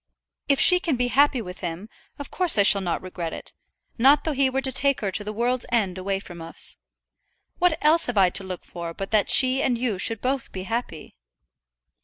If she can be happy with him, of course I shall not regret it; not though he were to take her to the world's end away from us. What else have I to look for but that she and you should both be happy?"